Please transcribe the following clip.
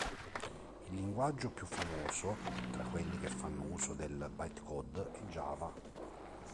Il linguaggio più famoso tra quelli che fanno uso del bytecode è Java.